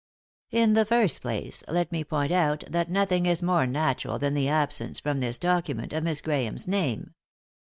"In the first place, let me point out that nothing is more natural than the absence, from this docu ment, of Miss Grahame's name."